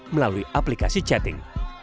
melalui aplikasi chatting